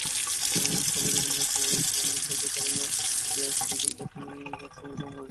সহসা দেখলেন, মুহাম্মাদ সাল্লাল্লাহু আলাইহি ওয়াসাল্লামের অনুসারীদের কারণে ইয়াসরিবের পথ-ঘাট সংকীর্ণ হয়ে গেছে।